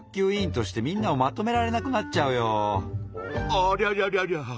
ありゃりゃりゃりゃ。